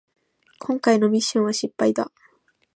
こんかいのミッションは失敗だ